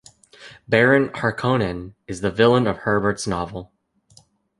Baron Harkonnen is the villain of Herbert's novel.